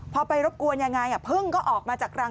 พอไปรบกวนยังไงพึ่งก็ออกมาจากรัง